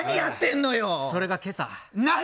それが今朝。